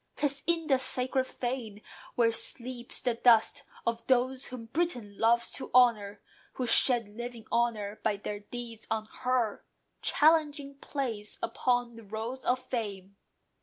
'Tis in the sacred fane where sleeps the dust Of those whom Britain loves to honour, who Shed living honour by their deeds on her, Challenging place upon the rolls of Fame.